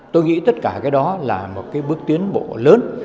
tôi nghĩ tất cả cái đó là một cái bước tiến bộ lớn